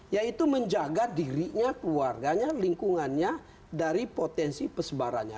yaitu menjaga dirinya keluarganya lingkungannya dari potensi pesebarannya